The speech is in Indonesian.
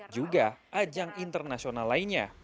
juga ajang internasional lainnya